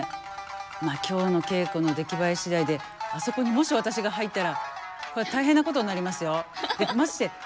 まあ今日の稽古の出来栄え次第であそこにもし私が入ったらこれは大変なことになりますよ。